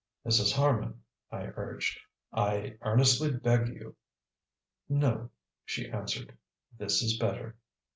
"Mrs. Harman," I urged, "I earnestly beg you " "No," she answered, "this is better."